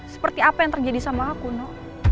seperti apa yang terjadi sama aku nok